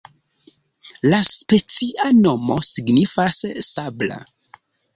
La specia nomo signifas sabla.